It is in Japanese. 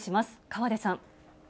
河出さん。